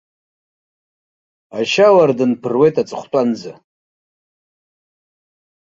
Ашьауардын ԥыруеит аҵыхәтәанӡа!